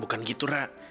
bukan gitu ra